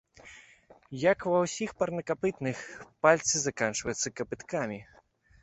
Як ва ўсіх парнакапытных, пальцы заканчваюцца капыткамі.